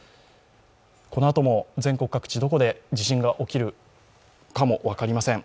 このあとも全国各地、どこで地震が起きるかも分かりません。